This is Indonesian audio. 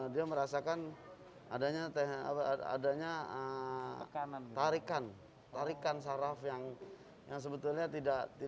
dia merasakan adanya tarikan saraf yang sebetulnya tidak